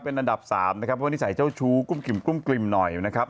เพราะว่านิสัยเจ้าชูกุ้มกริ่มหน่อยนะครับ